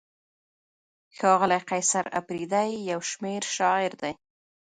ښاغلی قیصر اپریدی یو شمېر شاعر دی.